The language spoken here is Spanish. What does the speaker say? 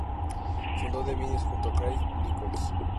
Fundó The Vines junto a Craig Nicholls.